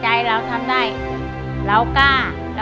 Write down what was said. หนูรู้สึกดีมากเลยค่ะ